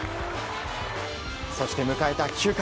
そして迎えた９回。